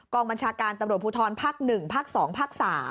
บัญชาการตำรวจภูทรภาค๑ภาค๒ภาค๓